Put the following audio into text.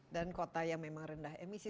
dan kota yang memang rendah emisi